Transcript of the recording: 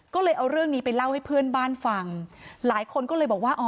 ก็เลยเอาเรื่องนี้ไปเล่าให้เพื่อนบ้านฟังหลายคนก็เลยบอกว่าอ๋อ